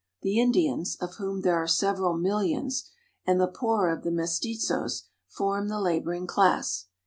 The Indians, of whom there are several millions, and the poorer of the mestizos, form the laboring class.